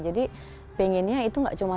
jadi pengennya itu gak cuma